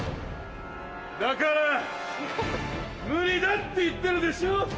だから無理だって言ってるでしょ？